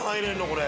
これ。